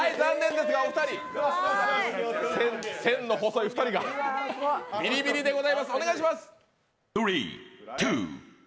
残念ですがお二人、線の細い２人がビリビリでございます。